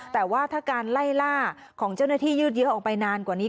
แต่ว่าถ้าการไล่ล่าของเจ้าหน้าที่ยืดเยอะออกไปนานกว่านี้